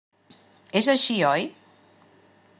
És així, oi?